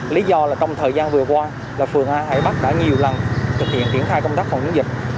lý do là trong thời gian vừa qua là phường hải bắc đã nhiều lần thực hiện kiển thai công tác phòng chống dịch